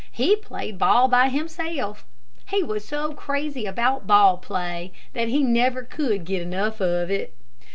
He played ball by himself. He was so crazy about ball play that he could never get enough of it.